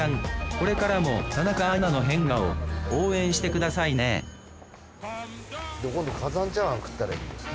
これからも田中アナの変顔応援してくださいね今度火山チャーハン食ったらいいんだよ。